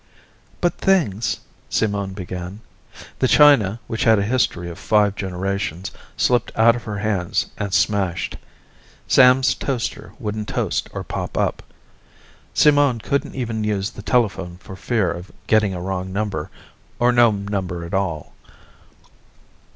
"But things " Simone began. The china which had a history of five generations slipped out of her hands and smashed; Sam's toaster wouldn't toast or pop up; Simone couldn't even use the telephone for fear of getting a wrong number, or no number at all.